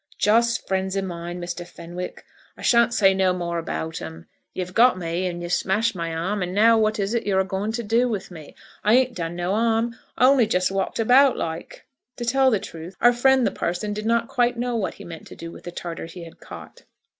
"Just friends of mine, Mr. Fenwick. I shan't say no more about 'em. You've got me, and you've smashed my arm, and now what is it you're a going to do with me? I ain't done no harm, only just walked about, like." To tell the truth, our friend the parson did not quite know what he meant to do with the Tartar he had caught.